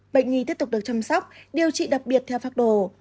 bệnh nhi tiếp tục được chăm sóc điều trị đặc biệt theo phác đồ